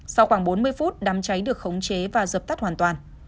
sau khoảng bốn mươi phút đám cháy được khống chế và dập tắt hoàn toàn